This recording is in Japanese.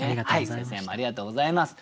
先生もありがとうございます。